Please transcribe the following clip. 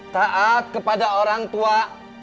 hai kisah adulthood